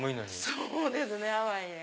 そうですねハワイ。